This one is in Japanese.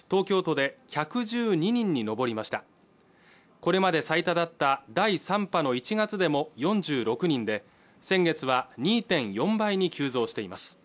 これまで最多だった第３波の１月でも４６人で先月は２．４倍に急増しています